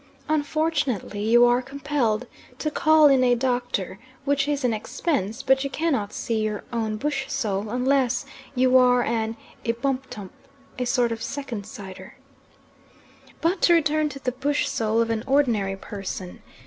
Unfortunately, you are compelled to call in a doctor, which is an expense, but you cannot see your own bush soul, unless you are an Ebumtup, a sort of second sighter. But to return to the bush soul of an ordinary person.